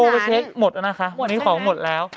โปรเวอร์เช็กหมดแล้วนะคะวันนี้ของหมดแล้ว